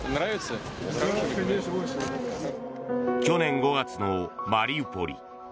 去年５月のマリウポリ。